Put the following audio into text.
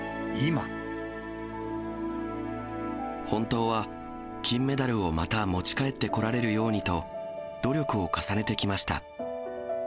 本当は、金メダルをまた持ち帰ってこられるようにと、努力を重ねてきました。